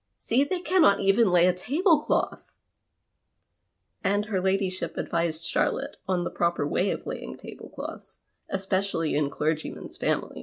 See, they cannot even lay a table cloth !" And her ladyshi[) advised Charlotte on the proper way of laying table cloths, especially in clergymen's families.